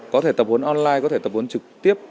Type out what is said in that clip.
có thể tập huấn online có thể tập huấn trực tiếp